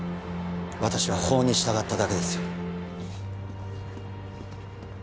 私は法に従っただけですよ